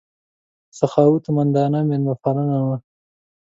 سخاوتمندانه مېلمه پالنه وه.